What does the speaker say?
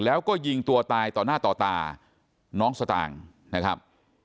แล้วก็ยิงตัวตายต่อหน้าต่อตาน้องสตางค์นะครับ